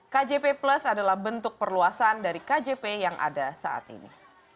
kjp plus adalah bentuk perluasan dari kjp yang ada saat ini